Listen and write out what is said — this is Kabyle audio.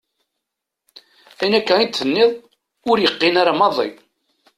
Ayen akka i d-tenniḍ ur yeqqin ara maḍi!